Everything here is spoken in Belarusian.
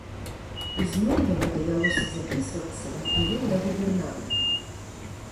І зноў яму давялося запісвацца на прыём да губернатара.